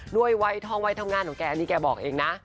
วัยทองวัยทำงานของแกอันนี้แกบอกเองนะ